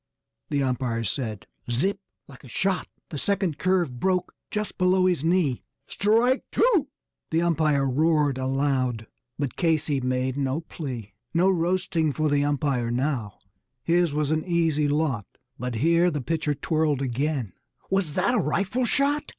the umpire said. Zip! Like a shot, the second curve broke just below his knee "Strike two!" the umpire roared aloud; but Casey made no plea. No roasting for the umpire now his was an easy lot. But here the pitcher twirled again was that a rifle shot?